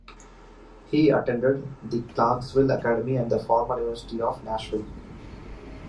He attended the Clarksville Academy and the former University of Nashville.